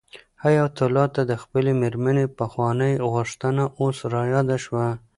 حیات الله ته د خپلې مېرمنې پخوانۍ غوښتنه اوس رایاده شوه.